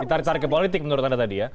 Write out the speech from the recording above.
ditarik tarik ke politik menurut anda tadi ya